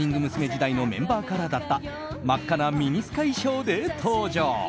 時代のメンバーカラーだった真っ赤なミニスカ衣装で登場。